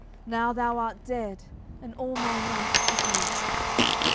Now thou art dead, and all my life a grief."